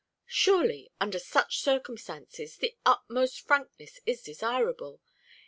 Surely, under such circumstances, the utmost frankness is desirable.